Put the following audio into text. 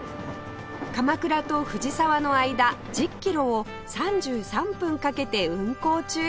鎌倉と藤沢の間１０キロを３３分かけて運行中